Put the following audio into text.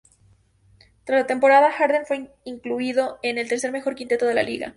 Tras la temporada, Harden fue incluido en el tercer mejor quinteto de la liga.